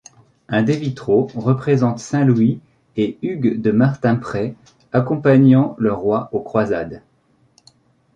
Un des vitraux représente Saint-Louis et Hugues de Martimprey accompagnant le roi aux croisades.